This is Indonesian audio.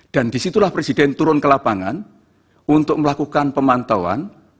dan disitulah presiden turun ke lapangan untuk melakukan pemantauan